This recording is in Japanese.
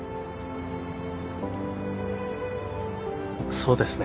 そうですね。